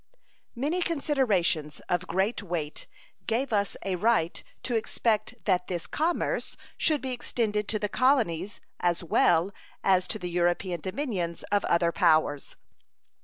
Many considerations of great weight gave us a right to expect that this commerce should be extended to the colonies as well as to the European dominions of other powers.